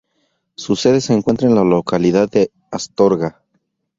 Su sede se encuentra en la localidad de Astorga.